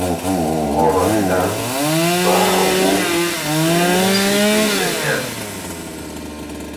Hɔrɔ ndal bah wo hi̧ mu fe ziŋna ya.